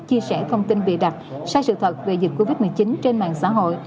chia sẻ thông tin bịa đặt sai sự thật về dịch covid một mươi chín trên mạng xã hội